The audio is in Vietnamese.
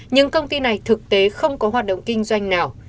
nhưng công ty này thực tế không có hoạt động kinh doanh nào